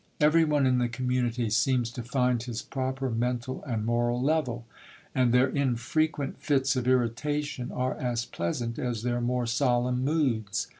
Everyone in the community seems to find his proper mental and moral level. And their infrequent fits of irritation are as pleasant as their more solemn moods.